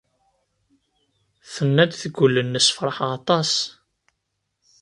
Tenna-d deg wul-nnes, Feṛḥeɣ aṭas.